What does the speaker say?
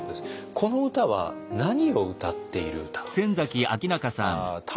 この歌は何をうたっている歌なんですか？